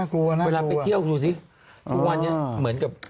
ใกล้เที่ยวกูดูสิ